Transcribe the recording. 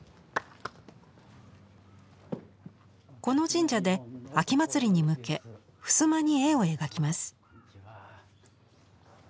この神社で秋祭りに向け襖に絵を描きます。